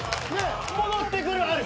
戻ってくるある！